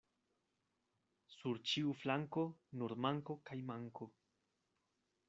Sur ĉiu flanko nur manko kaj manko.